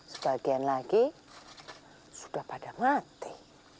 sebagian lagi sebelah pada mati